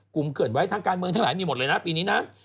เขื่อนไว้ทางการเมืองทั้งหลายมีหมดเลยนะปีนี้นะ